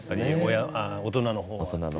親大人のほうは。